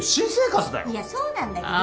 いやそうなんだけど。